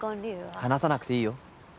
話さなくていいよ。